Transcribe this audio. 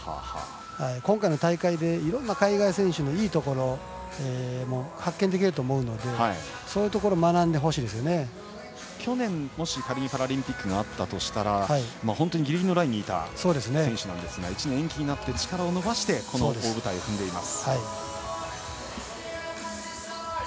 今回の大会でいろんな海外選手のいいところも発見できたので去年もし、仮にパラリンピックがあったとしたら本当にギリギリのラインにいた選手ですが１年延期になって力を伸ばしてこの大舞台を踏んでいます。